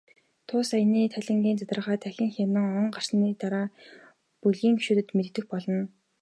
Тус аяны тайлангийн задаргааг дахин хянаад, он гарсны дараа бүлгийн гишүүддээ мэдээлэх болно.